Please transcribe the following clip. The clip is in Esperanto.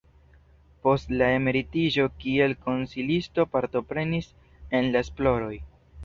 Post la emeritiĝo kiel konsilisto partoprenis en la esploroj.